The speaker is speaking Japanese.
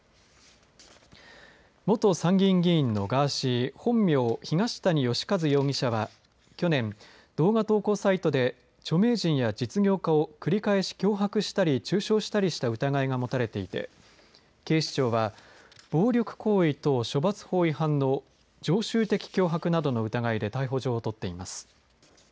元参議院議員のガーシー本名、東谷義和容疑者は去年、動画投稿サイトで著名人や実業家を繰り返し脅迫したり中傷したりした疑いが持たれていて警視庁は暴力行為等処罰法違反の常習的脅迫などの疑いで逮捕状を取っています。